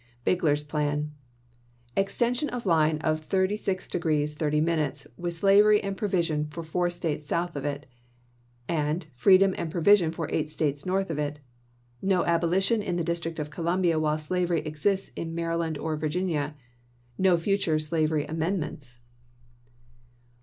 bigler's plan. Extension of line of 36° 30', with slavery and provision for four States south of it, and freedom and provision for eight States north of it ; no abolition in the District of Columbia while slavery exists in Maryland or Virginia ; no future slavery amendments.